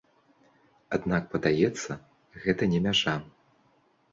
Аднак падаецца, гэта не мяжа.